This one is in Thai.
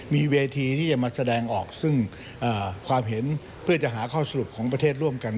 มีเวทีที่จะมาแสดงออกซึ่งความเห็นเพื่อจะหาข้อสรุปของประเทศร่วมกัน